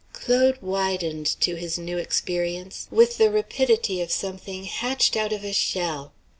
Claude widened to his new experience with the rapidity of something hatched out of a shell.